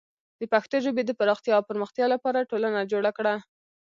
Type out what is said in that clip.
د پښتو ژبې د پراختیا او پرمختیا لپاره ټولنه جوړه کړه.